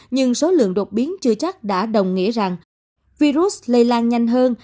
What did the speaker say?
nhưng số lượng đột biến chưa chắc đã đồng nghĩa rằng virus lây lan nhanh hơn